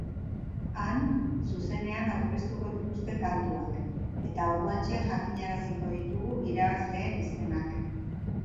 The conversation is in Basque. Han, zuzenean aurkeztuko dituzte kantuak, eta orduantxe jakinaraziko ditugu irabazleen izenak.